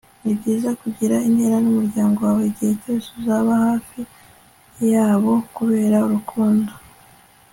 nibyiza kugira intera n'umuryango wawe. igihe cyose uzaba hafi yabo kubera urukundo. - olivier martinez